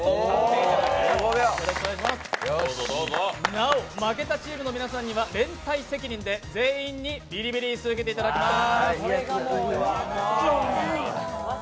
なお、負けたチームの皆さんには連帯責任で全員にビリビリ椅子受けていただきます。